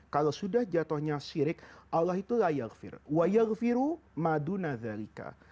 kalau sudah jatuhnya syirik